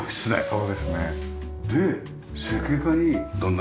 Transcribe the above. そうですね